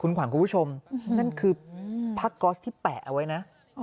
ขวัญคุณผู้ชมนั่นคือผ้าก๊อสที่แปะเอาไว้นะ